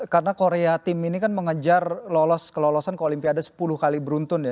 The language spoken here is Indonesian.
karena korea tim ini kan mengejar lolos kelolosan ke olimpiade sepuluh kali beruntun ya